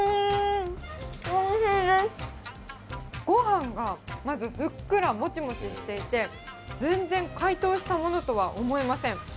ごはんがまずふっくら、もちもちしていて、全然解凍したものとは思えません。